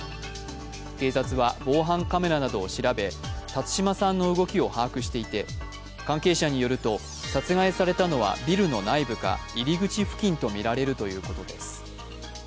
警察は防犯カメラなどを調べ、辰島さんの動きを把握していて、関係者によると、殺害されたのはビルの内部か入り口付近とみられるということです。